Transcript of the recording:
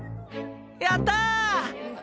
やったー！